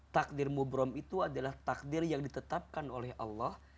takdir mubrom itu adalah takdir yang ditetapkan oleh allah